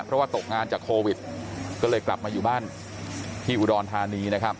เพราะว่าตกงานจากโควิดก็เลยกลับมาอยู่บ้านที่อุดรธานีนะครับ